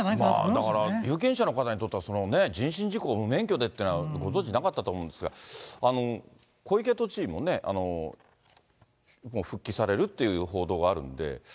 だから有権者の皆さんにとったらね、人身事故、無免許でっていうのはご存じなかったと思うんですが、小池都知事もね、復帰されるという報道はあるので。